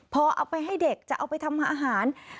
พอเอาไปให้เด็กจะเอาไปทำอาหาร